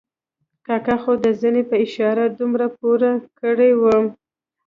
کاکا خو د زنې په اشاره دومره پوه کړی وم.